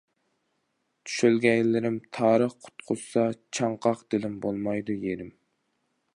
شۆلگەيلىرىم تارىخ قۇتقۇزسا، چاڭقاق دىلىم بولمايدۇ يېرىم.